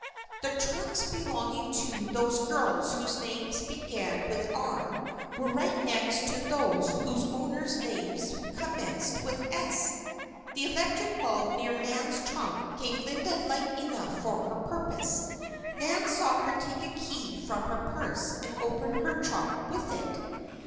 The trunks belonging to those girls whose names began with "R" were right next to those whose owners' names commenced with "S." The electric bulb near Nan's trunk gave Linda light enough for her purpose. Nan saw her take a key from her purse and open her trunk with it.